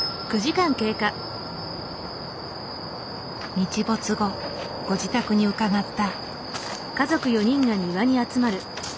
日没後ご自宅に伺った。